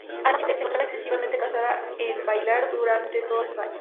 Además, físicamente me encontraba excesivamente cansada de bailar durante todos esos años".